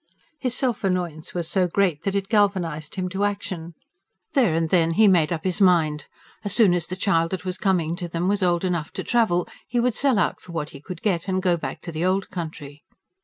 His self annoyance was so great that it galvanised him to action. There and then he made up his mind: as soon as the child that was coming to them was old enough to travel, he would sell out for what he could get, and go back to the old country.